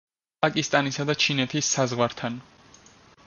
პაკისტანისა და ჩინეთის საზღვართან.